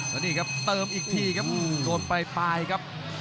แล้วนี่ครับเติมอีกทีครับโดนปลายครับ